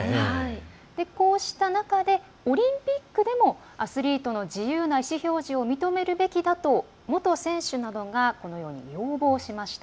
こうした中で、オリンピックでもアスリートの自由な意思表示を認めるべきだと元選手などが要望しました。